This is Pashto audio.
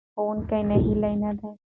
ښوونکی ناهیلی نه دی.